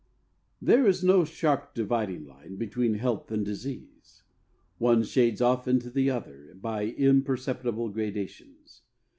There is no sharp dividing line between health and disease. One shades off into the other by imperceptible gradations.